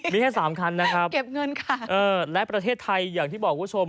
มีแค่สามคันนะครับเก็บเงินค่ะเออและประเทศไทยอย่างที่บอกคุณผู้ชม